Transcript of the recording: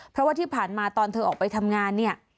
เพราะว่าที่ผ่านมาตอนเธอออกไปทำงานเนี่ย